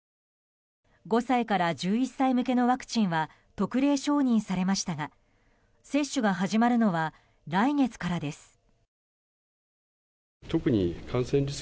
５歳から１１歳向けのワクチンは特例承認されましたが接種が始まるのは来月からです。